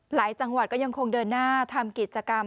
หลายจังหวัดก็ยังคงเดินหน้าทำกิจกรรม